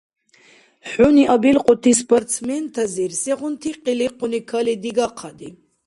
ХӀуни абилкьути спортсментазир сегъунти къиликъуни кали дигахъади?